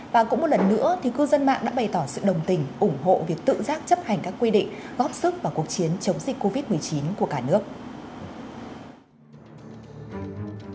và cũng một lần nữa thì cư dân mạng đã bày tỏ sự đồng tình ủng hộ việc tự giác chấp hành các quy định góp sức vào cuộc chiến chống dịch covid một mươi chín của cả nước